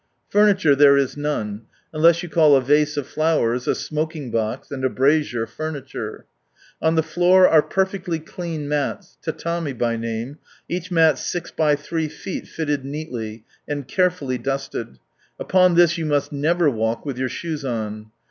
Furniture there is none, unless you call a vase of flowers, a smoking box, and a brazier, furniture. On the floor are perfectly clean mats, "Tatanii," by name, each mat 6 x 3 ft. fitted neatly, and care fully dusted. Upon this you must never walk with your shoes on.